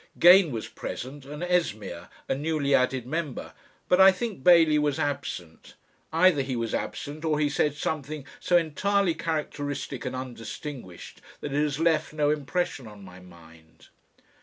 Gane was present, and Esmeer, a newly added member, but I think Bailey was absent. Either he was absent, or he said something so entirely characteristic and undistinguished that it has left no impression on my mind.